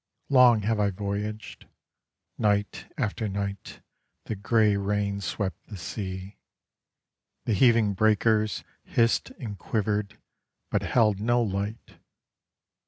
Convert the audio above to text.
Long have I voyaged, Night after night the grey rains swept the sea: The heaving breakers Hissed and quivered but held no light.